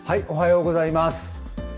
おはようございます。